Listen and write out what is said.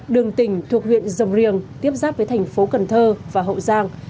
đường tỉnh thuộc huyện dồng riêng tiếp giáp với thành phố cần thơ và hậu giang